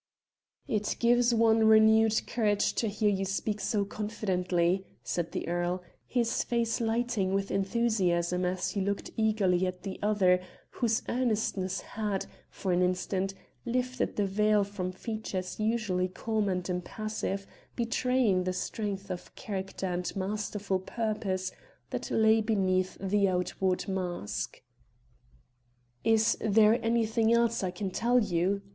"It gives one renewed courage to hear you speak so confidently," said the earl, his face lighting with enthusiasm as he looked eagerly at the other, whose earnestness had, for an instant, lifted the veil from features usually calm and impassive, betraying the strength of character and masterful purpose that lay beneath the outward mask. "Is there anything else I can tell you?"